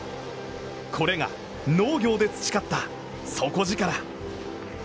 これが農業で培った底力。